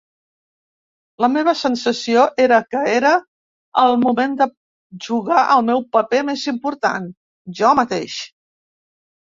La meva sensació era que era el moment de jugar el meu paper més important - jo mateix!